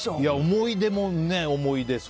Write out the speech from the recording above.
思い出も思い出。